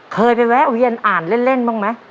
เคยไปแวะเวียนอ่านเล่นบ้างไหม